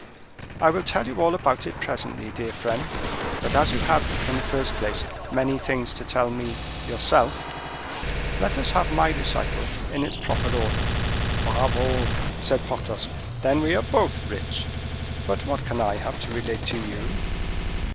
"I will tell you all about it presently, dear friend; but as you have, in the first place, many things to tell me yourself, let us have my recital in its proper order." "Bravo!" said Porthos; "then we are both rich. But what can I have to relate to you?"